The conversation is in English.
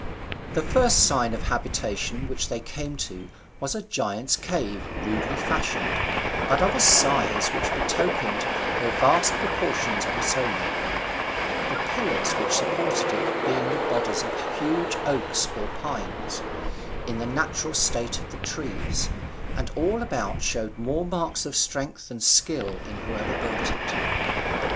The first sign of habitation which they came to was a giant's cave rudely fashioned, but of a size which betokened the vast proportions of its owner; the pillars which supported it being the bodies of huge oaks or pines, in the natural state of the tree, and all about showed more marks of strength than skill in whoever built it.